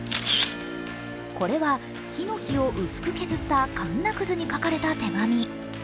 これは、ひのきを薄く削ったかんなくずに書かれた手紙。